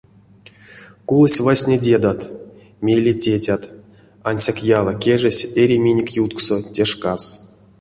Кулось васня дедат, мейле тетят, ансяк яла кежесь эри минек ютксо те шкас.